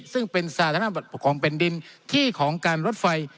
ซึ่งเป็นสาธารณของแผ่นดินที่ของการรถไฟ